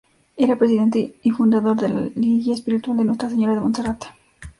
Era presidente y fundador de la Lliga Espiritual de Nuestra Señora de Montserrat.